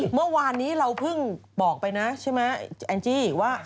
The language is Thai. เมื่อวานนี้เราเพิ่งบอกไปนะใช่ไหมแองจี้ว่า